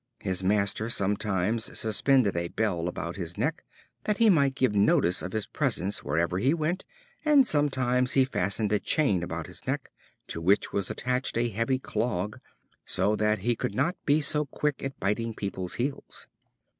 His master sometimes suspended a bell about his neck, that he might give notice of his presence wherever he went, and sometimes he fastened a chain about his neck, to which was attached a heavy clog, so that he could not be so quick at biting people's heels.